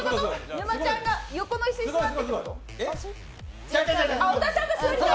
沼ちゃんが横の椅子に座って？